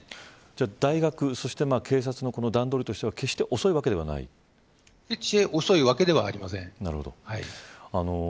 大学、そして警察の段取りとしては決して遅いわけでありません。